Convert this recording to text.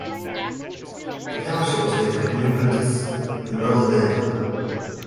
The township was named for Henry Prentiss, an early landowner.